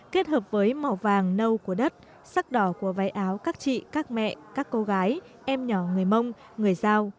kết hợp với màu vàng nâu của đất sắc đỏ của váy áo các chị các mẹ các cô gái em nhỏ người mông người giao